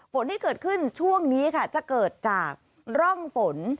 ฝนที่เกิดขึ้นช่วงนี้ค่ะจะเกิดจากร่องฝน